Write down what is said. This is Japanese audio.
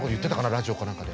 ラジオかなんかで。